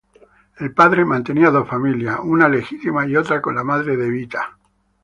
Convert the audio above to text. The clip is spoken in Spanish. El padre mantenía dos familias, una legítima y otra con la madre de "Evita".